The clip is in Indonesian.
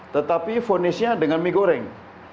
tetapi fonisnya dengan mie goreng